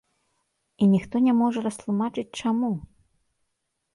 І ніхто не можа растлумачыць, чаму.